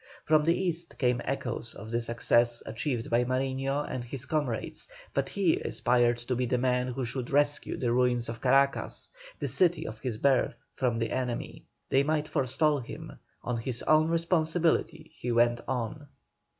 From the east came echoes of the success achieved by Mariño and his comrades, but he aspired to be the man who should rescue the ruins of Caracas, the city of his birth, from the enemy. They might forestall him. On his own responsibility he went on.